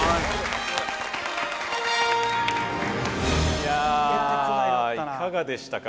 いやいかがでしたか？